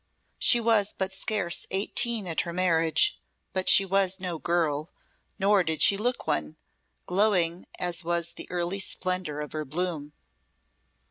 She was but scarce eighteen at her marriage, but she was no girl, nor did she look one, glowing as was the early splendour of her bloom.